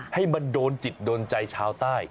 ให้มันโดนจิตโดนใจชาวใต้